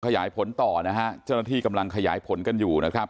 ขยายผลต่อนะฮะเจ้าหน้าที่กำลังขยายผลกันอยู่นะครับ